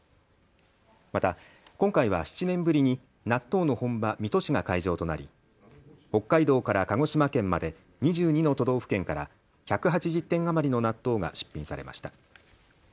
また今回は７年年ぶりに納豆の本場、水戸市が会場となり北海道から鹿児島県まで２２の都道府県から１８０点余りの納豆が出品されました。